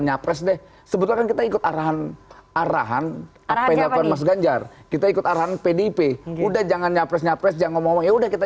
ya beliau ya sudah